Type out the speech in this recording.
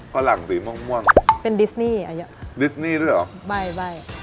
พระหลังสีม่วงม่วงเป็นดิสนี่อ่ะดิสนี่ด้วยเหรอบ้ายบ้าย